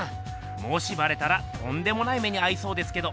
もしバレたらとんでもない目にあいそうですけど。